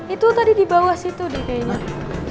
itu tadi di bawah situ deh kayaknya